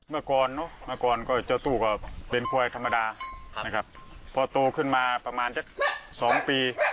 เมื่อก่อนเนอะเมื่อก่อนก็เจ้าตู้ก็เป็นควายธรรมดานะครับพอโตขึ้นมาประมาณสักสองปี